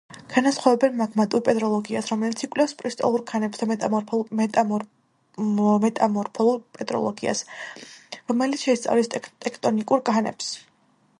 განასხვავებენ: მაგმატურ პეტროლოგიას, რომელიც იკვლევს კრისტალურ ქანებს და მეტამორფულ პეტროლოგიას, რომელიც შეისწავლის ტექტონიკურ ქანებს.